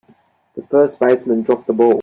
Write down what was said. The first baseman dropped the ball.